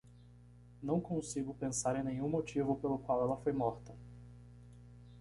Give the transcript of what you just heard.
Não consigo pensar em nenhum motivo pelo qual ela foi morta.